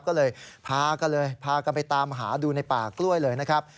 ก็เลยพากันเลยพากันไปตามหาดูในป่ากล้วยเลยนะครับ